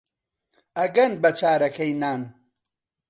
ئەگەن بە چارەکەی نان